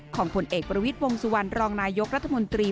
ของคนเอกบริวิตวงสุวรรณรองนายกรัฐมนตรี